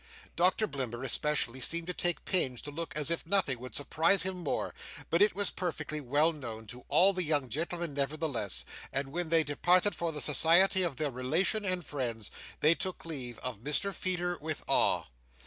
Doctor Blimber, especially, seemed to take pains to look as if nothing would surprise him more; but it was perfectly well known to all the young gentlemen nevertheless, and when they departed for the society of their relations and friends, they took leave of Mr Feeder with awe.